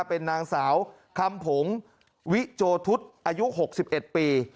เป็นนางสาวคำผงวิโจทุศอายุ๖๑ปี